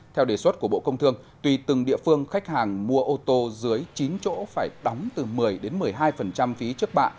theo đề xuất của bộ công thương tùy từng địa phương khách hàng mua ô tô dưới chín chỗ phải đóng từ một mươi một mươi hai phí trước bạ